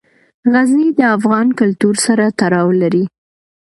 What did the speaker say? غزني د افغان کلتور سره تړاو لري.